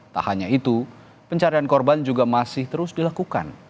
tak hanya itu pencarian korban juga masih terus dilakukan